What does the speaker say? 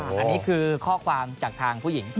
อันนี้คือข้อความจากทางผู้หญิง